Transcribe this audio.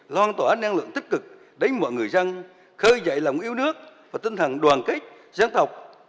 loan tỏa năng lượng tích cực đến mọi người dân khơi dậy lòng yêu nước và tinh thần đoàn kết sáng tạo